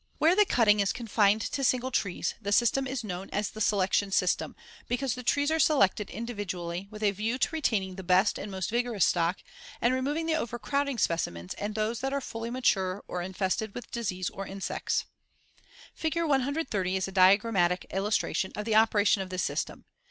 Where the cutting is confined to single trees, the system is known as the "Selection System," because the trees are selected individually, with a view to retaining the best and most vigorous stock and removing the overcrowding specimens and those that are fully mature or infested with disease or insects. Fig. 130 is a diagrammatic illustration of the operation of this system.